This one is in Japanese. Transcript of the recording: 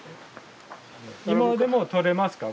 今でもとれますか？